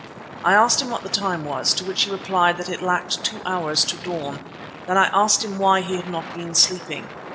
I asked him what the time was, to which he replied that it lacked two hours to dawn. Then I asked him why he had not been sleeping.